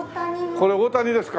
これ大谷ですか？